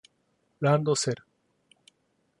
ランドセル